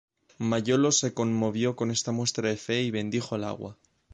Mayolo se conmovió con esta muestra de fe y bendijo el agua.